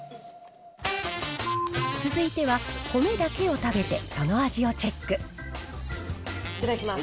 続いては米だけを食べてそのいただきます。